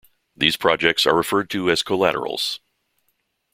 These projects are referred to as collaterals.